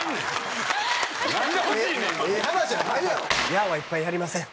「“ヤァー！”はいっぱいやりません」